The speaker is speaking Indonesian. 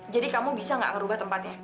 jadi kamu bisa gak ngerubah tempatnya